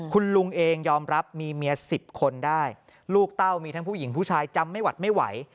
คุณลุงเองยอมรับมีเมีย๑๐คนได้ลูกเต้ามีทั้งผู้หญิงผู้ชายจำไม่หวัดไม่ไหว